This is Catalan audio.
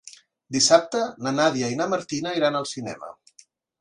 Dissabte na Nàdia i na Martina iran al cinema.